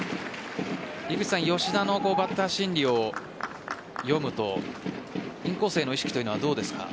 吉田のバッター心理を読むとインコースへの意識というのはどうですか？